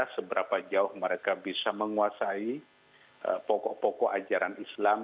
seberapa jauh mereka bisa menguasai pokok pokok ajaran islam